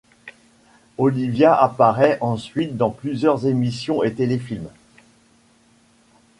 Olivia apparaît ensuite dans plusieurs émissions et téléfilms.